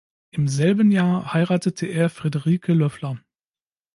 Im selben Jahr heiratete er Friederike Löffler.